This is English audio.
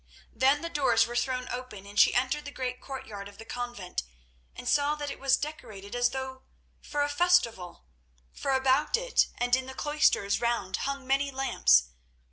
Then the doors were thrown open, and she entered the great courtyard of the convent, and saw that it was decorated as though for a festival, for about it and in the cloisters round hung many lamps.